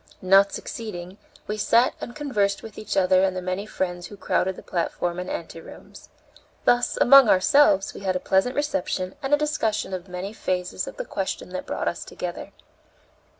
Not succeeding, we sat and conversed with each other and the many friends who crowded the platform and anterooms. Thus, among ourselves, we had a pleasant reception and a discussion of many phases of the question that brought us together.